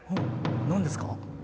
何ですか？